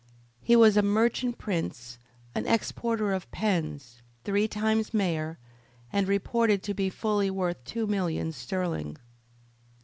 He was a merchant prince, an exporter of pens, three times mayor, and reported to be fully worth two millions sterling.